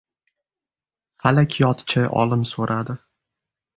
Falakiyotchi olim so‘radi: